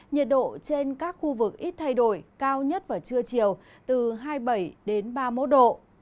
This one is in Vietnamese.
nhiệt độ trên các khu vực ít thay đổi cao nhất vào trưa chiều từ hai mươi bảy đến ba mươi một độ